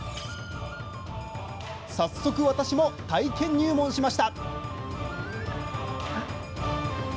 早速私も体験入門しました。